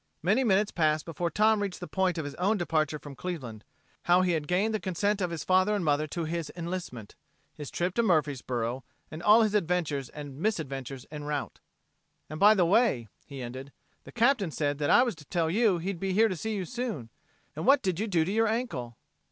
Many minutes passed before Tom reached the point of his own departure from Cleveland; how he had gained the consent of his father and mother to his enlistment; his trip to Murfreesboro and all his adventures and misadventures en route. "And, by the way," he ended, "the Captain said that I was to tell you that he'd be here to see you soon. And what did you do to your ankle?"